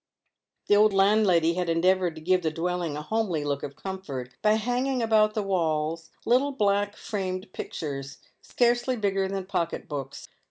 The old landlady had endeavoured to give the dwelling a homely look of comfort by hanging about the walls little black framed pictures, scarcely bigger than pocket books.